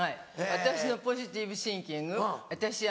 私のポジティブシンキング私